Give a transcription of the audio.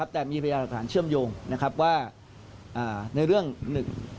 แต่มีพยายามหลักฐานเชื่อมโยงว่าในเรื่องหนึ่ง